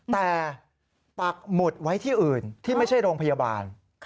แต่ปักหมุดไว้ที่อื่นที่ไม่ใช่โรงพยาบาล